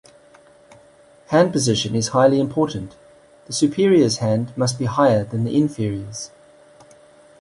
Hand position is highly important; the superior's hand must be higher than the inferior's.